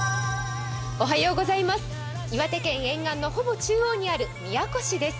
岩手県沿岸のほぼ中央にある宮古市です。